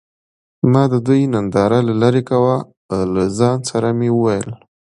ما د دوي ننداره له لرې کوه له ځان سره مې وويل.